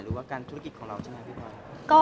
หรือการธุรกิจของเราก็ใช้มั้ยพี่พาย